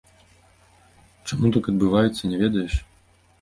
Чаму так адбываецца, не ведаеш?